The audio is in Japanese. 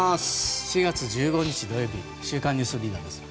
４月１５日、土曜日「週刊ニュースリーダー」です。